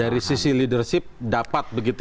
dari sisi leadership dapat begitu